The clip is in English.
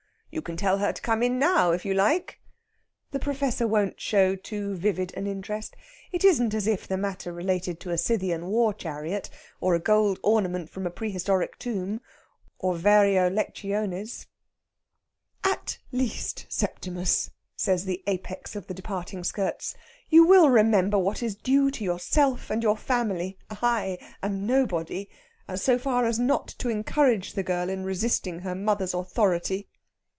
"You can tell her to come in now if you like." The Professor won't show too vivid an interest. It isn't as if the matter related to a Scythian war chariot, or a gold ornament from a prehistoric tomb, or variæ lectiones. "At least, Septimus," says the apex of the departing skirts, "you will remember what is due to yourself and your family I am nobody so far as not to encourage the girl in resisting her mother's authority."